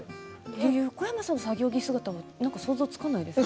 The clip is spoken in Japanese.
横山さんの作業着姿想像つかないです。